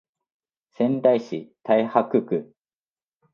仙台市太白区